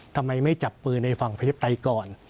ทำไมไม่จับมือในฝั่งพระเจ็บไทยก่อน